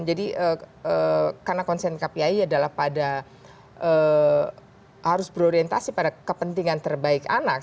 jadi karena konsen kpi adalah pada harus berorientasi pada kepentingan terbaik anak